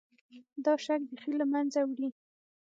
دا شک بیخي له منځه وړي.